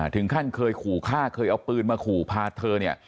ถึงขั้นเคยขู่ฆ่าเคยเอาปืนมาขู่พาเธอเนี่ย